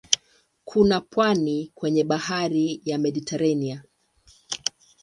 Kuna pwani kwenye bahari ya Mediteranea.